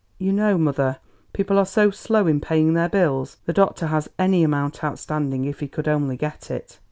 "You know, mother, people are so slow in paying their bills. The doctor has any amount outstanding if he could only get it."